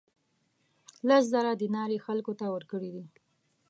لس زره دینار یې خلکو ته ورکړي دي.